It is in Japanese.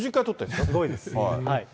すごいです。